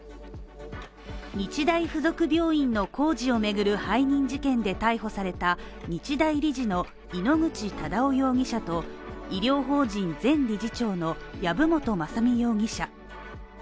日大附属病院の工事をめぐる背任事件で逮捕された日大理事の井ノ口忠男容疑者と、医療法人前理事長の藪本雅巳容疑者。